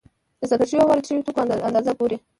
د صادر شویو او وارد شویو توکو اندازه ګوري